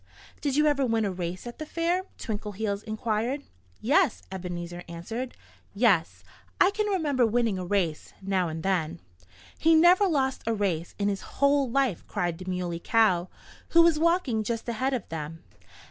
"Did you ever win a race at the fair?" Twinkleheels inquired. "Yes!" Ebenezer answered. "Yes! I can remember winning a race now and then." "He never lost a race in his whole life!" cried the Muley Cow, who was walking just ahead of them.